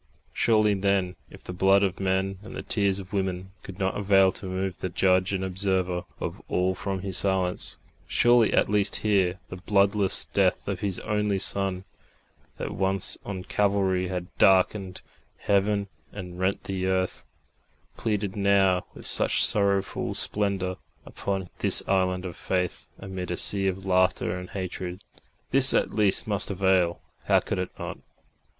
Surely then, if the blood of men and the tears of women could not avail to move the Judge and Observer of all from His silence, surely at least here the bloodless Death of His only Son, that once on Calvary had darkened heaven and rent the earth, pleaded now with such sorrowful splendour upon this island of faith amid a sea of laughter and hatred this at least must avail! How could it not?